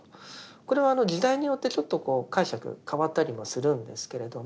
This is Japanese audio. これは時代によってちょっと解釈変わったりもするんですけれども。